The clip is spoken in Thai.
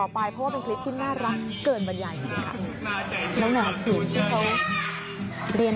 ไม่รู้นักกับเท่าไรนักกับทั้งจะหักไม่มี